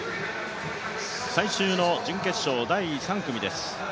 最終の準決勝第３組です。